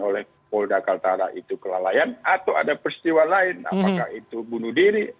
oleh polda kaltara itu kelalaian atau ada peristiwa lain apakah itu bunuh diri